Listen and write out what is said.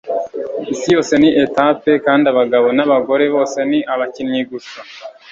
isi yose ni etape, kandi abagabo n'abagore bose ni abakinnyi gusa